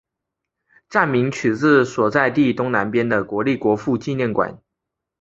站名取自所在地东南边的国立国父纪念馆。